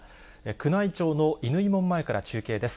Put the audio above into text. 宮内庁の乾門前から中継です。